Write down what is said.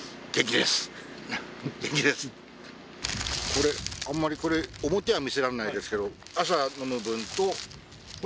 これあんまり表は見せらんないですけど。